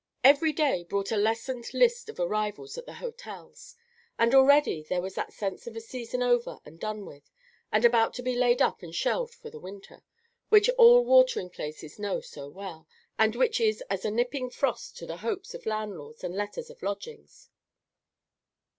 Every day brought a lessened list of arrivals at the hotels; and already there was that sense of a season over and done with and about to be laid up and shelved for the winter, which all watering places know so well, and which is as a nipping frost to the hopes of landlords and letters of lodgings.